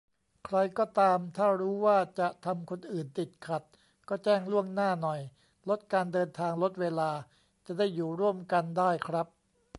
ใครก็ตาม ถ้ารู้ว่าจะทำคนอื่นติดขัด ก็แจ้งล่วงหน้าหน่อย ลดการเดินทาง ลดเวลา จะได้อยู่ร่วมกันได้ครับ